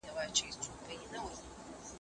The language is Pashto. اسلام د پاکۍ او نظافت امر کوي.